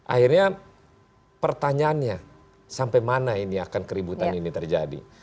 akhirnya pertanyaannya sampai mana ini akan keributan ini terjadi